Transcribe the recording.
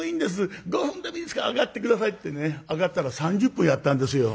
５分でもいいですから上がって下さい」ってね上がったら３０分やったんですよ。